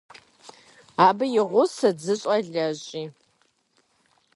Абы и гъусэт зы щӀалэщӀи.